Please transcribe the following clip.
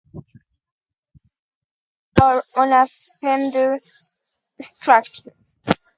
He taught himself to play guitar on a Fender Stratocaster.